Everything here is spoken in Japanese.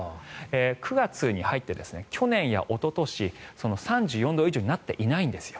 ９月に入って去年やおととし３４度以上になっていないんですよ。